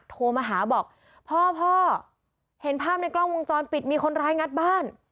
โทรมาหาบอกพ่อพ่อเห็นภาพในกล้องวงจรปิดมีคนร้ายงัดบ้าน